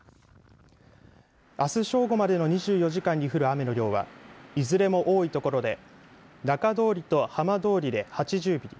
あす正午までの２４時間に降る雨の量はいずれも多い所で中通りと浜通りで８０ミリ